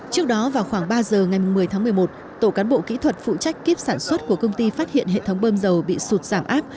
trước đó vào khoảng ba giờ ngày một mươi tháng một mươi một tổ cán bộ kỹ thuật phụ trách kiếp sản xuất của công ty phát hiện hệ thống bơm dầu bị sụt giảm áp